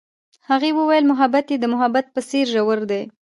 هغې وویل محبت یې د محبت په څېر ژور دی.